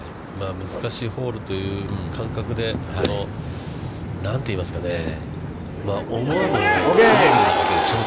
難しいホールという感覚で、何といいますかね、思わぬ。